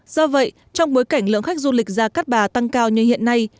do vậy trong bối cảnh lượng khách du lịch ra cát bà tăng cao như hiện nay